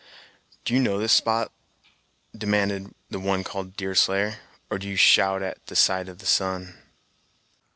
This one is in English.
"Do you know this spot!" demanded the one called Deerslayer, "or do you shout at the sight of the sun?"